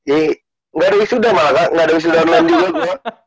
iya nggak ada wisuda malah kak nggak ada wisuda online juga